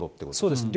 そうです。